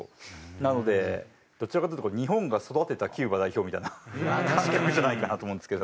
なのでどちらかというと日本が育てたキューバ代表みたいな感覚じゃないかなと思うんですけど。